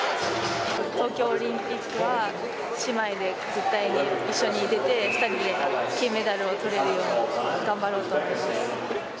東京オリンピックは姉妹で絶対に一緒に出て、２人で金メダルをとれるように、頑張ろうと思います。